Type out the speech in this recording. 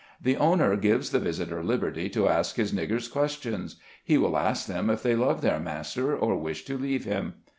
The owner gives the visitor liberty to ask his "niggers" questions. He will ask them if they love their master, or wish to leave him.